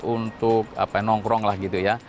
untuk nongkrong lah gitu ya